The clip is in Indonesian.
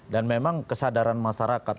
dan memang kesadaran masyarakat